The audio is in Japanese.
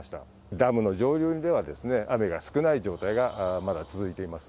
ダムの上流では雨が少ない状態がまだ続いています。